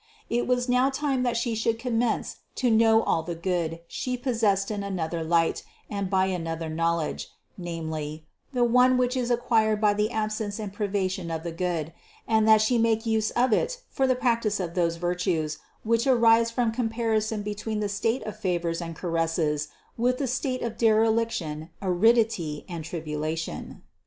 It was now time that She should commence to know all the good She possessed in another light and by another knowledge ; namely, the one which is acquired by the absence and privation of the good, and that She make use of it for the practice of those virtues, which arise from comparison between the state of favors and caresses with the state of dereliction, aridity and tribulation.